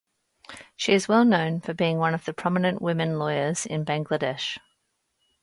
She is well known for being one of the prominent women lawyers in Bangladesh.